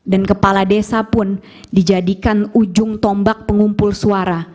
kepala desa pun dijadikan ujung tombak pengumpul suara